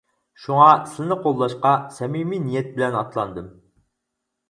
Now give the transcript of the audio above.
شۇڭا سىلىنى قوللاشقا سەمىمىي نىيەت بىلەن ئاتلاندىم.